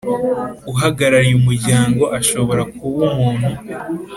Uhagarariye Umuryango ashobora kuba umuntu